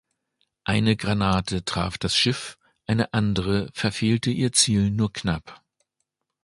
Eine Granate traf das Schiff, eine andere verfehlte ihr Ziel nur knapp.